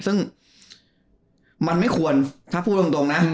ซึ่งมันไม่ควรถ้าพูดตรงนะ